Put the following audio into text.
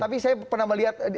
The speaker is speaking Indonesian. tapi saya pernah melihat